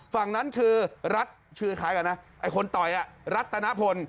ฝั่งนั้นคือรัฐชื่อคล้ายกันนะไอ้คนต่อยรัตนพล